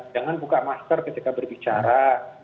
jangan buka masker ketika berbicara